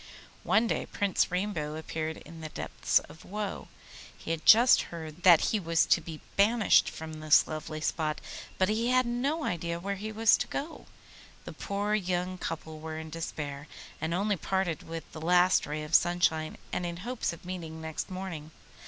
One day Prince Rainbow appeared in the depths of woe. He had just heard that he was to be banished from this lovely spot, but he had no idea where he was to go. The poor young couple were in despair, and only parted with the last ray of sunshine, and in hopes of meeting next morning.